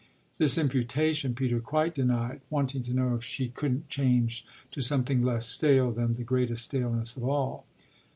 This imputation Peter quite denied, wanting to know if she couldn't change to something less stale than the greatest staleness of all.